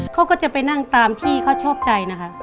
เขาก็จะไปนั่งตามที่เขาชอบใจนะคะ